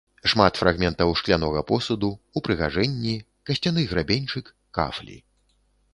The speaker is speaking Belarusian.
Шмат фрагментаў шклянога посуду, упрыгажэнні, касцяны грабеньчык, кафлі.